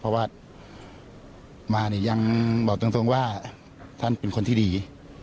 เพราะว่ามาเนี่ยยังบอกตรงว่าท่านเป็นคนที่ดี